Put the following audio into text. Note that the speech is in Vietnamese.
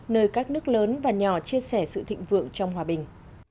nơi các nước lớn và nhỏ chia sẻ sự thịnh vượng trong hòa bình